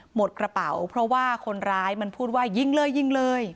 หมดกระเป๋าเพราะว่าคนร้ายมันพูดว่ายิงเลยยิงเลย